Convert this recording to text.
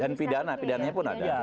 dan pidana pidana pun ada